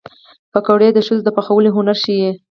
پکورې د ښځو د پخلي هنر ښيي